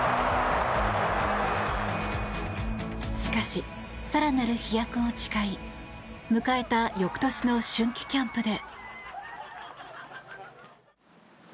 しかし、更なる飛躍を誓い迎えた翌年の春季キャンプで。